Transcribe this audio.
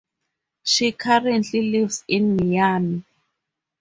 She currently lives in Miami.